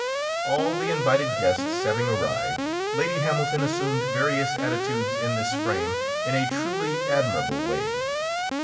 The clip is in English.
All the invited guests having arrived, Lady Hamilton assumed various attitudes in this frame in a truly admirable way.